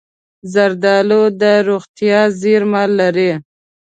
زردالو د روغتیا زېرمې لري.